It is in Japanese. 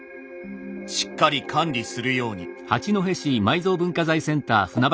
しっかり管理するように」。